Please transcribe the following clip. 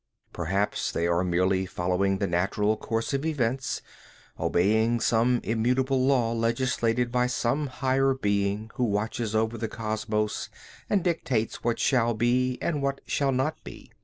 Perhaps they are merely following the natural course of events, obeying some immutable law legislated by some higher being who watches over the cosmos and dictates what shall be and what shall not be.